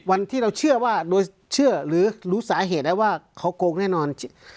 วันที่เราเชื่อว่าโดยเชื่อหรือรู้สาเหตุได้ว่าเขาโกงแน่นอน